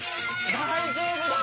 大丈夫だよ！